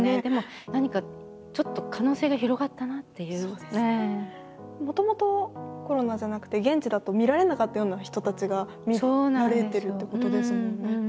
でも何かちょっともともとコロナじゃなくて現地だと見られなかったような人たちが見られてるっていうことですもんね。